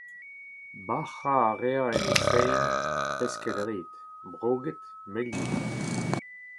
Bac’hañ a rae en e sein pesked-red : broged, meilhi.